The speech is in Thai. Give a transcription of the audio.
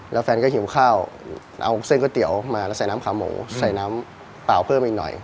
แล้วแฟนก็หิวข้าวเอาเส้นก๋วยเตี๋ยวมาแล้วใส่น้ำขาหมูใส่น้ำเปล่าเพิ่มอีกหน่อย